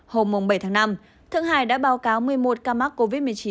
hôm bảy tháng năm thượng hải đã báo cáo một mươi một ca mắc covid một mươi chín